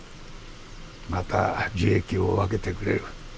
また樹液を分けてくれる。